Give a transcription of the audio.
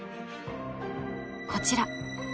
こちら。